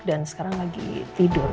dan sekarang lagi tidur